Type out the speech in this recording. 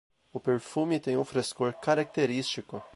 O perfume tem um frescor característico